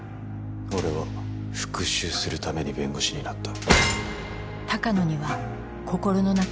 俺は復讐するために弁護士になった。